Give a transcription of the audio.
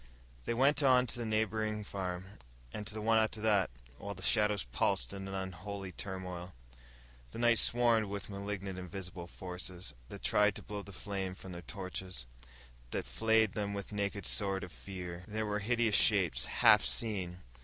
They went on to the neighboring farm, and to the one after that, while the shadows pulsed in an unholy turmoil. The night swarmed with malignant invisible forces, that tried to blow the flame from their torches, that flayed them with the naked sword of fear. There were hideous shapes, half seen.